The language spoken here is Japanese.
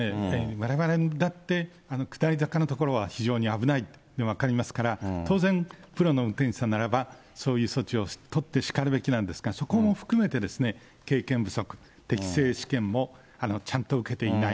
われわれだって、下り坂の所は非常に危ないというのは分かりますから、当然、プロの運転手さんならば、そういう措置を取ってしかるべきなんですが、そこも含めて経験不足、適性試験もちゃんと受けていない。